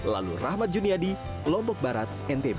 lalu rahmat juniadi lombok barat ntb